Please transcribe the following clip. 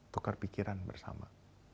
tukar pikiran bersama